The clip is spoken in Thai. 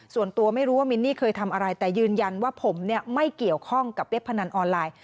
ส่วนตัวไม่รู้ว่ามินนี่เคยทำอะไรแต่ยืนยันว่าผมไม่เกี่ยวข้องกับเว็บพนันออนไลน์